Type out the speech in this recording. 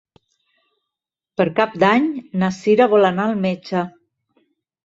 Per Cap d'Any na Cira vol anar al metge.